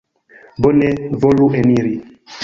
Bone, volu eniri.